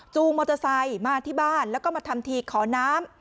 มอเตอร์ไซค์มาที่บ้านแล้วก็มาทำทีขอน้ำ